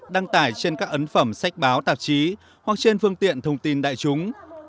đăng tải trên các ấn phẩm sách báo tạp chí hoặc trên phương tiện thông tin đại chúng